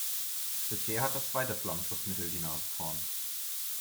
Bisher hat das zweite Flammschutzmittel die Nase vorn.